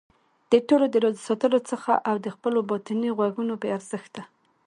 د ټولو د راضي ساتلو حڅه او د خپلو باطني غږونو بې ارزښته